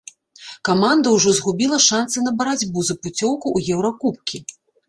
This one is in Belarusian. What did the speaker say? Каманда ўжо згубіла шанцы на барацьбу за пуцёўку ў еўракубкі.